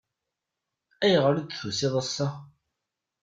Ayɣer i d-tusiḍ ass-a?